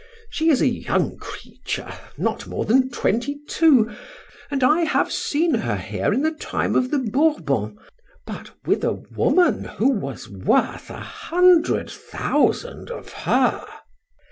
She is a young creature not more than twenty two, and I have seen her here in the time of the Bourbons, but with a woman who was worth a hundred thousand of her."